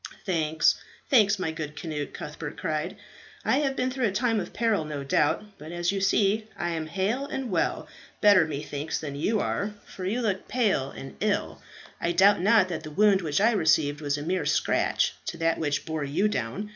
"Thanks, thanks, my good Cnut," Cuthbert cried. "I have been through a time of peril, no doubt; but as you see, I am hale and well better, methinks than you are, for you look pale and ill; and I doubt not that the wound which I received was a mere scratch to that which bore you down.